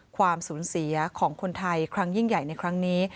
ความสูญเสียของคนไทยครั้งยิ่งใหญ่ในครั้งนี้